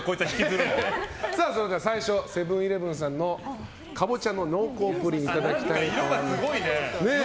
それでは最初はセブン‐イレブンさんのかぼちゃの濃厚プリンをいただきたいと思います。